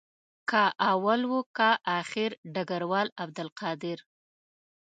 که اول وو که آخر ډګروال عبدالقادر.